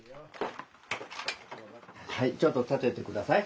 はいちょっと立って下さい。